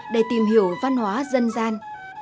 để tìm hiểu văn hóa dân gian